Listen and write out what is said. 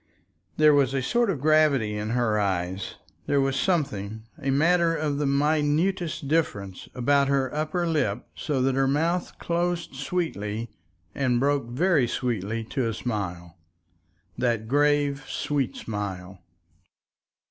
There was a sort of gravity in her eyes. There was something, a matter of the minutest difference, about her upper lip so that her mouth closed sweetly and broke very sweetly to a smile. That grave, sweet smile!